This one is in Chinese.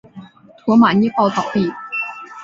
驼马捏报倒毙。